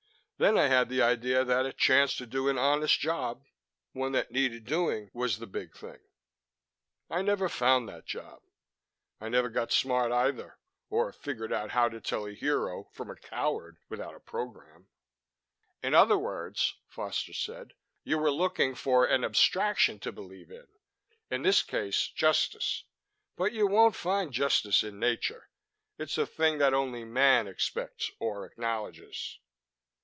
Then I had the idea that a chance to do an honest job, one that needed doing, was the big thing. I never found that job. I never got smart either, or figured out how to tell a hero from a coward, without a program." "In other words," Foster said, "you were looking for an abstraction to believe in in this case, Justice. But you won't find justice in nature. It's a thing that only man expects or acknowledges."